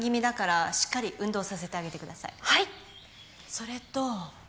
それと。